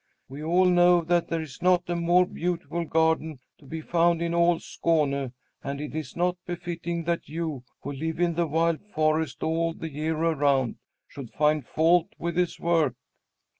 We all know that there is not a more beautiful garden to be found in all Skåne, and it is not befitting that you, who live in the wild forest all the year around, should find fault with his work."